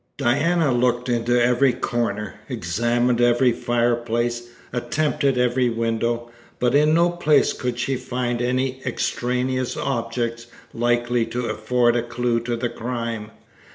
Diana looked into every corner, examined every fireplace, attempted every window, but in no place could she find any extraneous object likely to afford a clue to the crime.